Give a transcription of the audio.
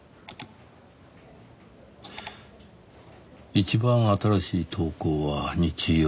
一番新しい投稿は日曜日。